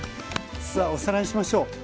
さあおさらいしましょう。